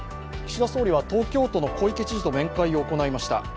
岸田総理は東京都の小池知事と面会を行いました。